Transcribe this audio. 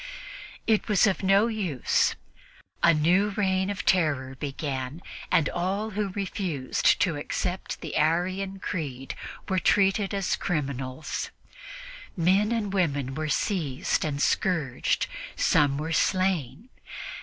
It was of no use; a new reign of terror began in which all who refused to accept the Arian creed were treated as criminals. Men and women were seized and scourged; some were slain.